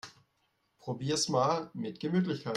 Probier's mal mit Gemütlichkeit!